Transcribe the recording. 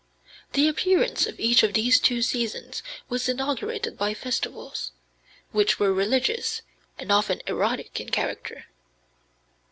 The appearance of each of these two seasons was inaugurated by festivals which were religious and often erotic in character.